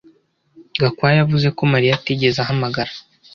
Gakwaya yavuze ko Mariya atigeze ahamagara